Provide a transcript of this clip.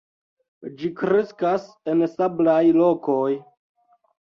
Ĝi kreskas en sablaj lokoj.